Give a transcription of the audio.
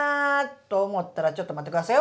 思ったらちょっと待ってくださいよ